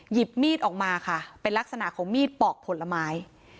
หยิบมีดออกมาค่ะเป็นลักษณะของมีดปอกผลไม้